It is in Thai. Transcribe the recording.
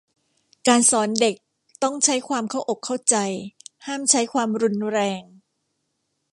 การสอนเด็กต้องใช้ความเข้าอกเข้าใจ ห้ามใช้ความรุนแรง